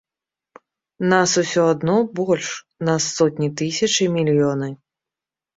Нас усё адно больш, нас сотні тысяч і мільёны.